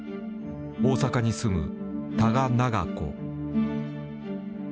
大阪に住む多賀永子。